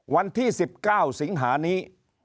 วันที่๑๙สิงหานี้